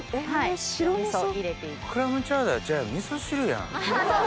クラムチャウダーちゃうやん。